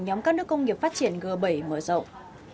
nhóm các nước công nghiệp phát triển g bảy mở rộng